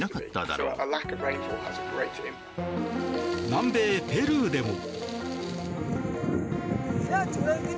南米ペルーでも。